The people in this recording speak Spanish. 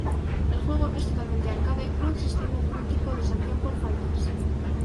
El juego es totalmente arcade no existiendo ningún tipo de sanción por faltas.